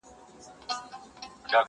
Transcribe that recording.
زموږ له شونډو مه غواړه زاهده د خلوت کیسه؛